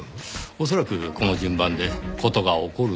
恐らくこの順番で事が起こる必然があった。